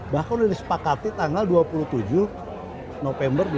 bahkan sudah disepakati tanggal dua puluh tujuh november dua ribu dua puluh